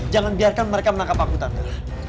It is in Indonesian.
jangan biarkan mereka menangkap aku tanda